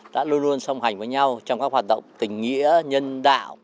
đã luôn luôn song hành với nhau trong các hoạt động tình nghĩa nhân đạo